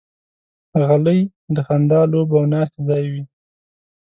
غلۍ د خندا، لوبو او ناستې ځای وي.